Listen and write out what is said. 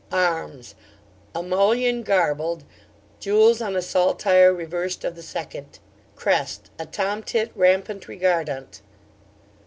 'Arms a mullion garbled, gules on a saltire reversed of the second. Crest a tom tit rampant regardant.